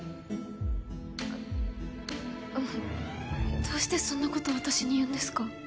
あっあのどうしてそんなこと私に言うんですか？